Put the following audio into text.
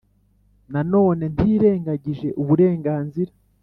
nanone ntirengagije uburenganzira